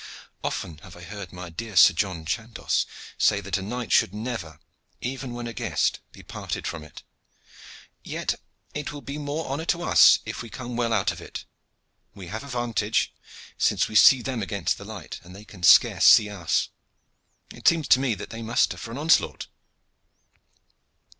"Often have I heard my dear Sir John Chandos say that a knight should never, even when a guest, be parted from it. Yet it will be more honor to us if we come well out of it. We have a vantage, since we see them against the light and they can scarce see us. It seems to me that they muster for an onslaught."